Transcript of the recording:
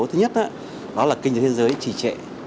thứ nhất đó là kinh tế thế giới chỉ trệ